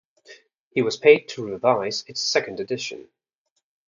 He was paid to revise its second edition.